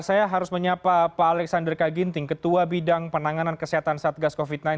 saya harus menyapa pak alexander kaginting ketua bidang penanganan kesehatan satgas covid sembilan belas